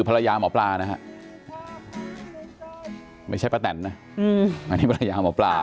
ภรรยาหมอปลานะฮะไม่ใช่ป้าแตนนะอันนี้ภรรยาหมอปลา